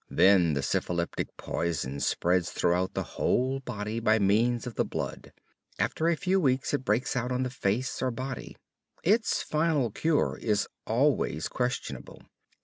Then the syphilitic poison spreads throughout the whole body by means of the blood. After a few weeks it breaks out on the face or body. Its final cure is always questionable.